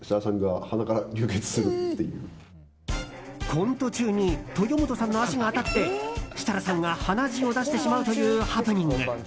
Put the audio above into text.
コント中に豊本さんの足が当たって設楽さんが鼻血を出してしまうというハプニング。